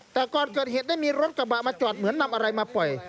แต่ก่อนเกิดเหตุได้มีรถกระบะมาจอดเหมือนนำอะไรมาปล่อย